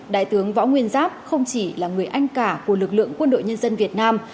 đại tướng võ nguyên giáp không chỉ là người anh cả của lực lượng quân đội nhân dân việt nam